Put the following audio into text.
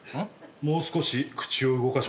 もう少し口を動かしますか？